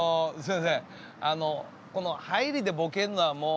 この入りでボケんのはもう。